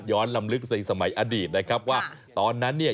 ย้อนลำลึกศีลสมัยอดีตนะครับว่า